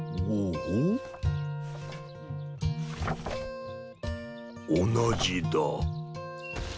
おなじだ。